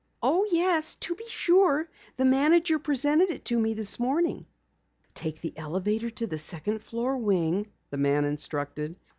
"Oh, yes, to be sure. The manager presented it to me this morning." "Take the elevator to the second floor wing," the man instructed.